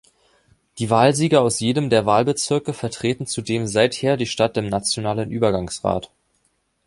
Die Wahlsieger aus jedem der Wahlbezirke vertreten zudem seither die Stadt im nationalen Übergangsrat.